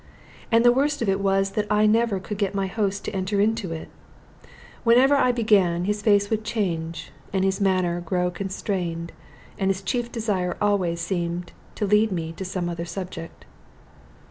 And the worst of it was that I never could get my host to enter into it. Whenever I began, his face would change and his manner grow constrained, and his chief desire always seemed to lead me to some other subject.